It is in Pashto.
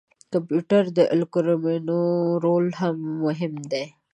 د کمپیوټري الګوریتمونو رول هم مهم دی.